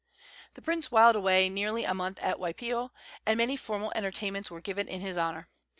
The prince whiled away nearly a month at Waipio, and many formal entertainments were given in his honor.